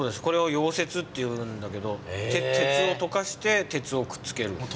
これを溶接っていうんだけど鉄をとかして鉄をくっつける。